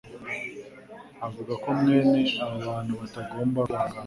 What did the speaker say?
avuga ko mwene abo bantu batagomba kwihanganirwa.